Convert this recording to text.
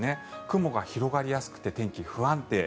雲が広がりやすくて天気不安定。